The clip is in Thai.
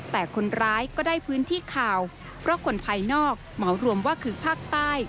แต่คนร้ายก็ได้พื้นที่ข่าวเพราะคนภายนอกเหมารวมว่าคือภาคใต้